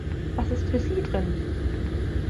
Was ist für sie drin?